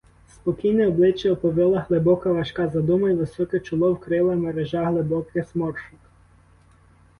Спокійне обличчя оповила глибока важка задума й високе чоло вкрила мережа глибоких зморшок.